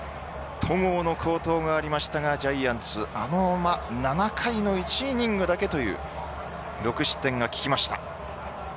戸郷の好投がありましたがジャイアンツあのまま７回の１イニングだけという６点が効きました。